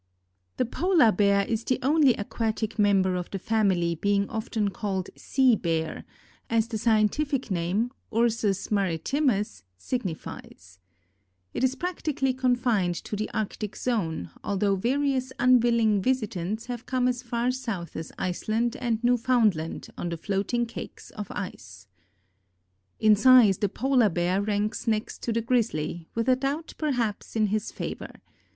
_) The Polar Bear is the only aquatic member of the family being often called Sea Bear, as the scientific name (Ursus maritimus) signifies. It is practically confined to the arctic zone, although various unwilling visitants have come as far south as Iceland and Newfoundland on the floating cakes of ice. In size the Polar Bear ranks next to the grizzly, with a doubt, perhaps, in his favor.